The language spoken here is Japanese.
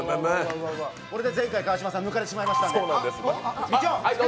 これで前回、川島さん抜かれてしまいましたので。